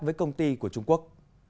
với công ty của trung quốc